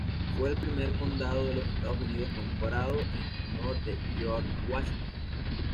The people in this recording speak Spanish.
Fue el primer condado de los Estados Unidos nombrado en honor de George Washington.